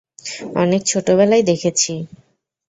অনেক ছোটবেলায় দেখেছি।